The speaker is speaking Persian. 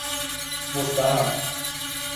مستحب